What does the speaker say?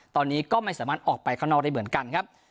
ตอนนี้ก็ไม่สามารถออกไปข้างนอกได้เหมือนกันครับ